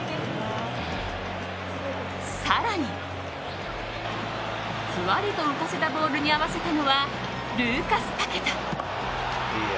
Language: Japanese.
更に、ふわりと浮かせたボールに合わせたのはルーカス・パケタ。